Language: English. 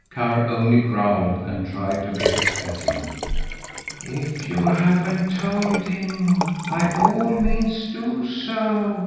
Karr only growled and tried to get at him. "If you haven't told him, by all means do so!"